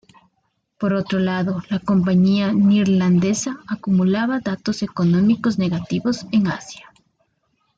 Por otro lado la Compañía Neerlandesa acumulaba datos económicos negativos en Asia.